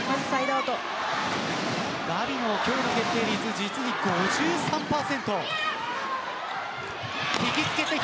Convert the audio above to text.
ガビの今日の決定率実に５３％。